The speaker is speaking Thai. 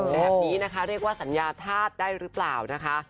แบบนี้นะคะเรียกว่าสัญญาธาตุได้หรือเปล่านะคะ